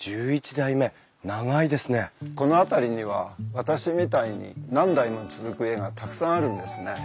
この辺りには私みたいに何代も続く家がたくさんあるんですね。